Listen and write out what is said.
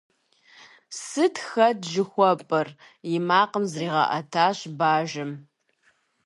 Сыт хэт жыхуэпӀэр?! - и макъым зригъэӀэтащ бажэм.